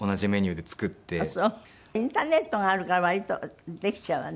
インターネットがあるから割とできちゃうわね。